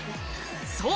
そう！